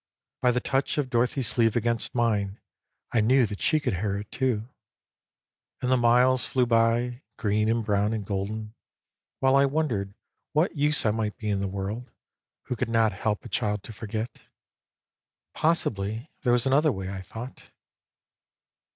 By the touch of Dorothy's sleeve against mine I knew that she could hear it too. And the miles flew by, green and brown and golden, while I won dered what use I might be in the world, who could not help a child to forget. Possibly there was another way, I thought.